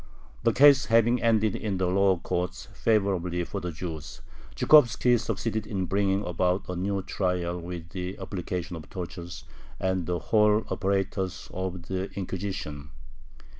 The case having ended in the lower courts favorably for the Jews, Zhukhovski succeeded in bringing about a new trial with the application of tortures and the whole apparatus of the Inquisition.